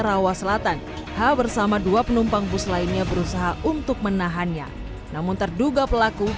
rawa selatan h bersama dua penumpang bus lainnya berusaha untuk menahannya namun terduga pelaku